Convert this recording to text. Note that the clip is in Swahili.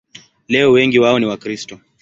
Leo wengi wao ni Wakristo.